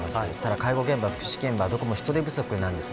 介護現場、福祉現場どこも人手不足です。